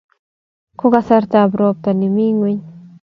Ko kasartab ropta nemi ngweny